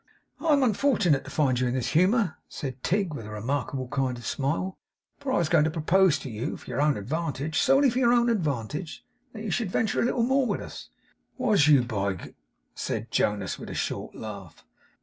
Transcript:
'I am unfortunate to find you in this humour,' said Tigg, with a remarkable kind of smile; 'for I was going to propose to you for your own advantage; solely for your own advantage that you should venture a little more with us.' 'Was you, by G ?' said Jonas, with a short laugh.